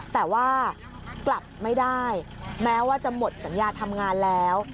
แต่ว่ากลับไม่ได้แม้ว่าจะหมดสัญญาทำงานแล้ว